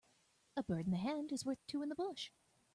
A bird in the hand is worth two in the bush.